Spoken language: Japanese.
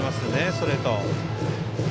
ストレート。